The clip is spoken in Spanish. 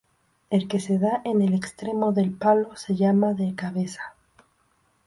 El que se da en el extremo del palo se llama "de cabeza".